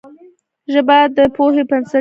ژبه د پوهې بنسټ ده